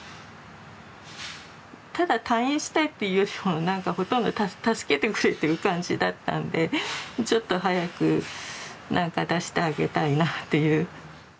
ただ退院したいっていうよりも何かほとんど助けてくれという感じだったんでちょっと早く何か出してあげたいなという。